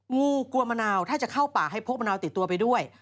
งูกลัวมะนาวถ้าจะเข้าป่าให้พกมะนาวติดตัวไปด้วย